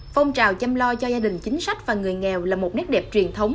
phong trào chăm lo cho gia đình chính sách và người nghèo là một nét đẹp truyền thống